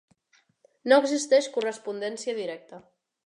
No existeix correspondència directa.